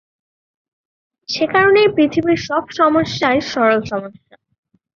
সে- কারণেই পৃথিবীর সব সমস্যাই সরল সমস্যা।